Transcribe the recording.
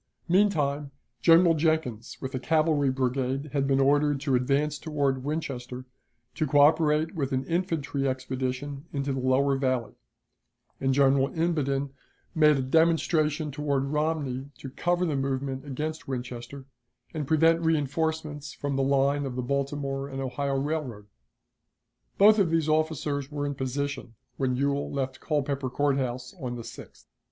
Meantime, General Jenkins with a cavalry brigade had been ordered to advance toward Winchester, to coöperate with an infantry expedition into the lower Valley, and General Imboden made a demonstration toward Romney to cover the movement against Winchester, and prevent reënforcements from the line of the Baltimore and Ohio Railroad. Both these officers were in position when Ewell left Culpeper Court House on the 6th.